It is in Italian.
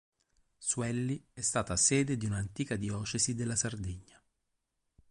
Suelli è stata sede di un'antica diocesi della Sardegna.